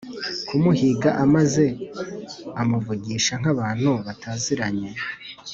kumuhiga maze amuvugisha nkabantu bataziranye